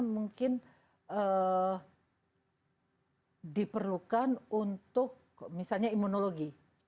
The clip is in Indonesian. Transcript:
mungkin diperlukan untuk misalnya imunologi